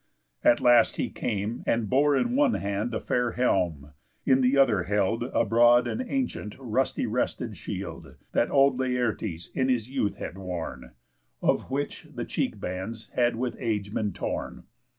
At last he came, and bore In one hand a fair helm, in th' other held A broad and ancient rusty rested shield, That old Laertes in his youth had worn, Of which the cheek bands had with age been torn.